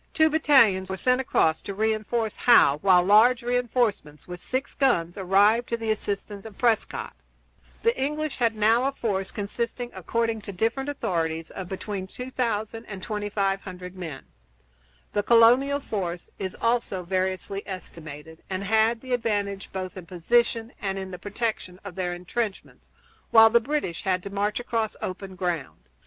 ] Two battalions were sent across to re enforce Howe, while large re enforcements, with six guns, arrived to the assistance of Prescott. The English had now a force consisting, according to different authorities, of between 2000 and 2500 men. The colonial force is also variously estimated, and had the advantage both in position and in the protection of their intrenchments, while the British had to march across open ground.